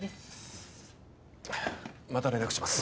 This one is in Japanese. また連絡します。